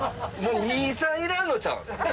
もう２３いらんのちゃう？